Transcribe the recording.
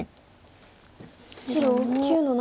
白９の七。